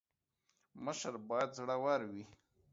مشر باید زړه ور وي